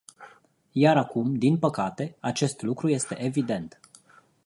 Iar acum, din păcate, acest lucru este evident.